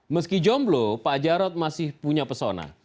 meski jomblo pak jarod masih punya pesona